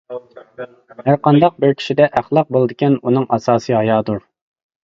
ھەر قانداق بىر كىشىدە ئەخلاق بولىدىكەن ئۇنىڭ ئاساسى ھايادۇر.